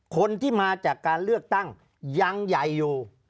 คนที่มาจากการเลือกตั้งยังใหญ่อยู่